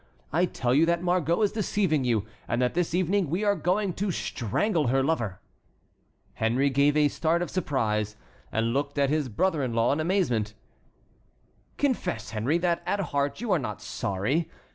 I tell you that Margot is deceiving you, and that this evening we are going to strangle her lover." Henry gave a start of surprise, and looked at his brother in law in amazement. "Confess, Henry, that at heart you are not sorry.